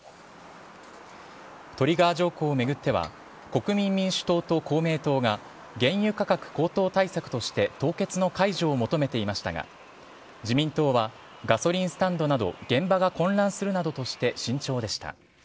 トリガー条項を巡っては、国民民主党と公明党が、原油価格高騰対策として凍結の解除を求めていましたが、自民党はガソリンスタンドなど、現場が混乱するなどとして慎重でした。